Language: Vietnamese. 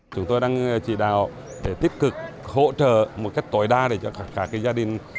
chúng tôi đang chỉ đạo để tiết cực hỗ trợ một cách tối đa cho các gia đình